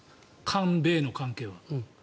韓米の関係は。